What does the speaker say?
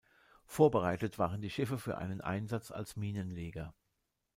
Vorbereitet waren die Schiffe für einen Einsatz als Minenleger.